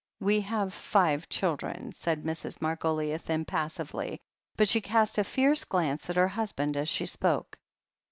'We have five children," said Mrs. Margoliouth im passively, but she cast a fierce glance at her husband as she spoke.